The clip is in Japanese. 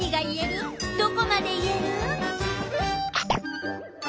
どこまで言える？